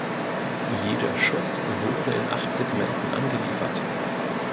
Jeder Schuss wurde in acht Segmenten angeliefert.